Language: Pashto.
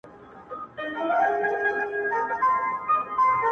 که پر سد که لېوني دي ټول په کاڼو سره ولي!